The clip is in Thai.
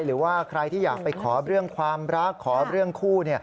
หรือว่าใครที่อยากไปขอเรื่องความรักขอเรื่องคู่